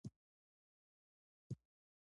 هغه وخت میندې په خپلو ماشومانو بوختې وې.